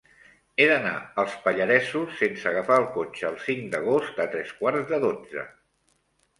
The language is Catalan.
He d'anar als Pallaresos sense agafar el cotxe el cinc d'agost a tres quarts de dotze.